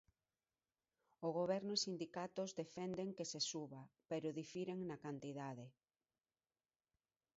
O Goberno e sindicatos defenden que se suba, pero difiren na cantidade.